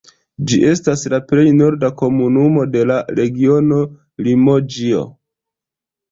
Ĝi estas la plej norda komunumo de la regiono Limoĝio.